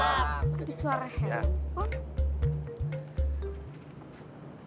aduh suara handphone